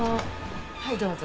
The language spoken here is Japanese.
はいどうぞ。